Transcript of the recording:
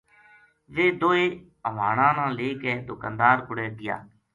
ویہ دوئے ہوانو لے کے دکاندار کوڑے گیا